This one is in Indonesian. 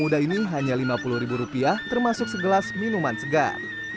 muda ini hanya lima puluh ribu rupiah termasuk segelas minuman segar